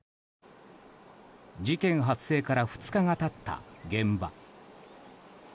事件発生から２日が経った現場。